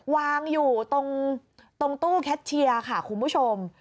วางอยู่ตรงตู้แคทเชียร์ค่ะคุณผู้ชม